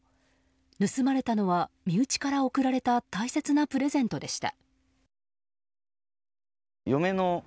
盗まれたのは身内から贈られた大切なプレゼントでした。